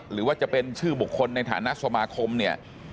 หรือว่าจะเป็นชื่อบุคคลในฐานะสมาคมเนี่ย